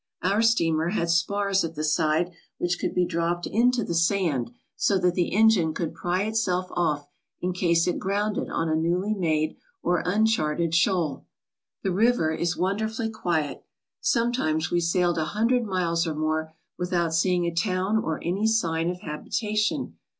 Our steamer had spars at the side which could be dropped into the sand so that the engine could 118 IN THE YUKON FLATS pry itself off in case it grounded on a newly made or uncharted shoal. The river is wonderfully quiet. Sometimes we sailed a hundred miles or more without seeing a town or any sign of habitation.